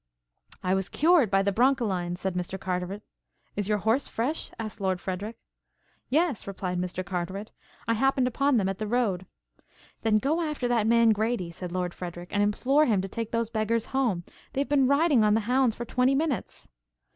"I was cured by the Broncholine," said Mr. Carteret. "Is your horse fresh?" asked Lord Frederic. "Yes," replied Mr. Carteret, "I happened upon them at the road." "Then go after that man Grady," said Lord Frederic, "and implore him to take those beggars home. They have been riding on the hounds for twenty minutes."